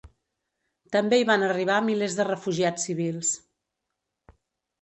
També hi van arribar milers de refugiats civils.